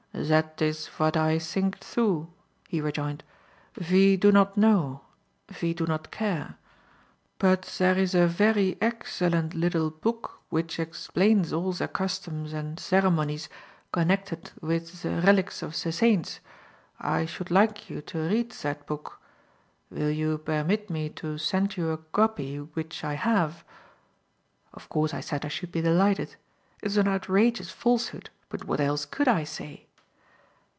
"Zat is vat I sink, too," he rejoined. "Ve do not know; ve do not care. But zere is a very eggeilent liddle book vich egsplains all ze gustoms and zeremonies gonnected vid relics of ze zainte. I should like you to read zat book. Vill you bermit me to send you a gobby vich I haf?" Of course I said I should be delighted. It was an outrageous falsehood, but what else could I say?